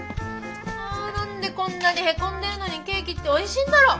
あ何でこんなにへこんでるのにケーキっておいしいんだろ。